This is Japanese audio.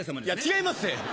違いまっせ！